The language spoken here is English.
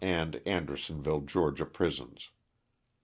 and Andersonville, Ga., prisons.